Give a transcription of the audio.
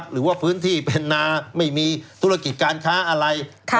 หรือว่าพื้นที่เป็นนาไม่มีธุรกิจการค้าอะไร